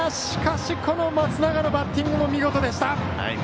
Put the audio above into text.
しかし松永のバッティングも見事でした。